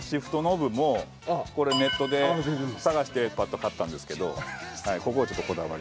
これネットで探してパッと買ったんですけどここをちょっとこだわり。